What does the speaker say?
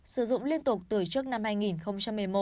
sử dụng liên tục từ trước năm hai nghìn một mươi một